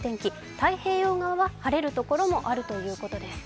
太平洋側は晴れるところもあるということです。